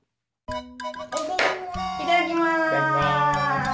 いただきます！